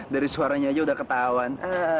dari suaranya aja udah ketahuan